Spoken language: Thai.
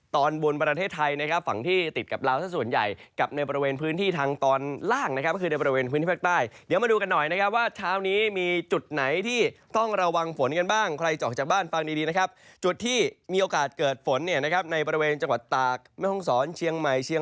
แต่ถังเกียจว่าเช้าวันนี้